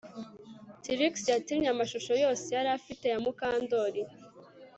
Trix yatemye amashusho yose yari afite ya Mukandoli